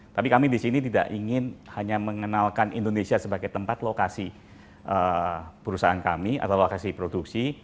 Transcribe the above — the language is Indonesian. tapi kami di sini tidak ingin hanya mengenalkan indonesia sebagai tempat lokasi perusahaan kami atau lokasi produksi